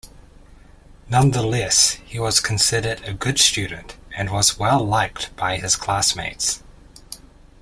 Nonetheless, he was considered a good student and was well liked by his classmates.